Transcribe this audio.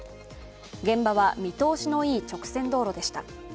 現場は見通しのいい直線道路でした。